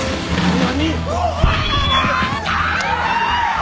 何？